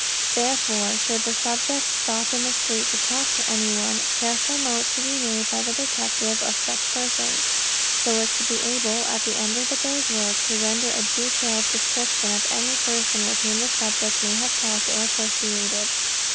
Therefore, should the subject stop in the street to talk to anyone, careful note should be made by the detective of such persons, so as to be able, at the end of the day's work, to render a detailed description of every person with whom the subject may have talked or associated.